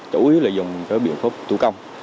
chủ yếu là dùng các biện pháp tủ công